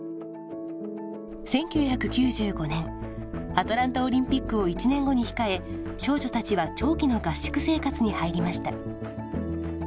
１９９５年アトランタオリンピックを１年後に控え少女たちは長期の合宿生活に入りました。